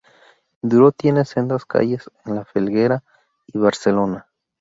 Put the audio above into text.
Duro tiene sendas calles en La Felguera y Barcelona.